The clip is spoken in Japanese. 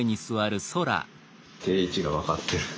定位置が分かってる。